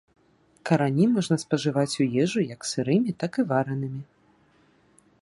Карані можна спажываць у ежу як сырымі, так і варанымі.